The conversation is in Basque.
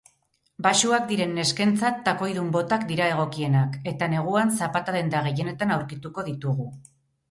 Baxuak diren neskentzat takoidun botak dira egokienak eta neguan zapata-denda gehienetan aurkituko ditugu.